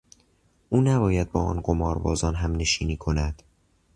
او نباید با آن قماربازان همنشینی کند.